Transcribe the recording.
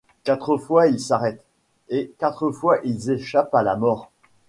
Quatre fois ils s'arrêtent, et quatre fois ils échappent à la mort.